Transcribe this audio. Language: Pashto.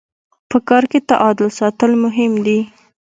په کار کي تعادل ساتل مهم دي.